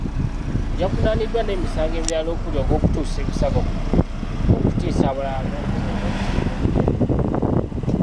Yavunaaniddwa n'emisango emirala okuli; ogw'okutuusa ebisago ku muntu, okutiisa abalala n'okwonoona ebintu mu bugenderevu.